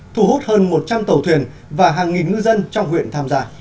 thu hút hơn một trăm linh tàu thuyền và hàng nghìn ngư dân trong huyện tham gia